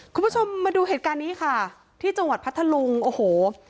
คุณผู้ชมมาดูเหตุการณ์นี้ค่ะที่จังหวัดพัทธลุงโอ้โห